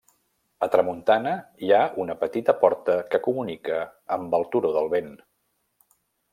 A tramuntana, hi ha una petita porta que comunica amb el Turó del Vent.